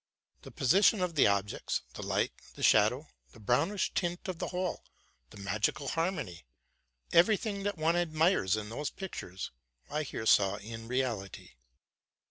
The position of the objects, the light, the shadow, the brownish tint of the whole, the magical harmony, — every thing that one admires in those pictures. I here saw in reality.